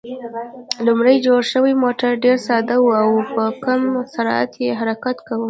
لومړی جوړ شوی موټر ډېر ساده و او په کم سرعت یې حرکت کاوه.